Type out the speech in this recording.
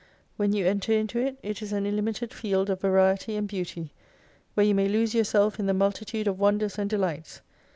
When you enter into it, it is an illimited field of Variety and Beauty : where you may lose yourself in the multitude of Wonders and Delights.